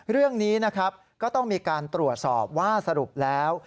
เรื่องนี้นะครับก็ต้องมีการตรวจสอบว่าสรุปแล้ว